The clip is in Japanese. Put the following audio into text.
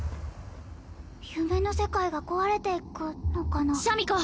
夢の世界が壊れていくのかな？